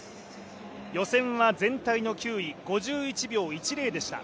予選は全体の９位５１秒１０でした。